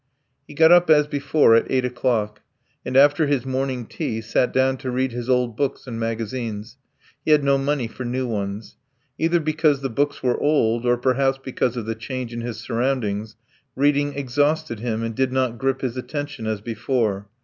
He got up as before at eight o'clock, and after his morning tea sat down to read his old books and magazines: he had no money for new ones. Either because the books were old, or perhaps because of the change in his surroundings, reading exhausted him, and did not grip his attention as before.